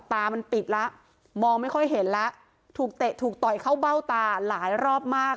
ตามันปิดแล้วมองไม่ค่อยเห็นแล้วถูกเตะถูกต่อยเข้าเบ้าตาหลายรอบมาก